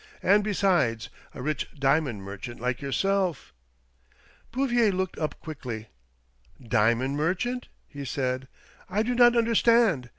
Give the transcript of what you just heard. And besides — a rich diamond merchant like yourself !" Bouvier looked up quickly. "Diamond mer chant?" he said. "I do not understand.